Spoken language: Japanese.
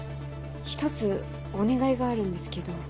１つお願いがあるんですけど。